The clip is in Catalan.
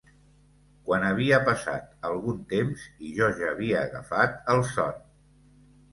Quan havia passat algun temps i jo ja havia agafat el son.